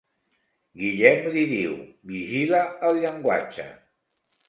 Guillem li diu, vigila el llenguatge!